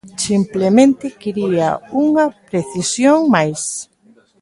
Simplemente quería unha precisión máis.